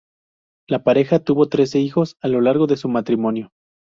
La pareja tuvo trece hijos a lo largo de su matrimonio.